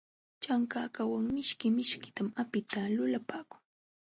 Chankakawan mishki mishkitam apita lulapaakun.